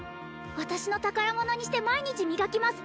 私の宝物にして毎日磨きます